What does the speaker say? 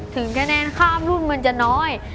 ถึงคะแนนข้ามรุ่นมันจะน้อย